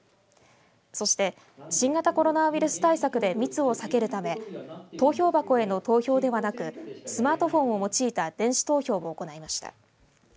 そして、新型コロナウイルス対策で密を避けるため投票箱への投票ではなくスマートフォンを用いた電子投票を行いました。